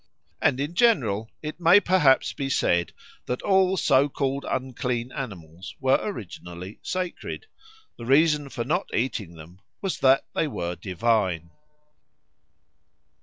And in general it may perhaps be said that all so called unclean animals were originally sacred; the reason for not eating them was that they were divine.